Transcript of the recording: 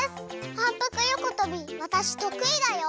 はんぷくよことびわたしとくいだよ！